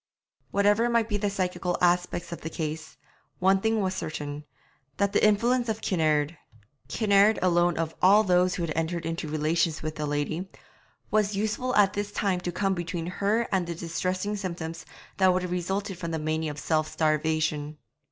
Whatever might be the psychical aspects of the case, one thing was certain, that the influence of Kinnaird Kinnaird alone of all those who had entered into relations with the lady was useful at this time to come between her and the distressing symptoms that would have resulted from the mania of self starvation.